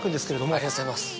ありがとうございます。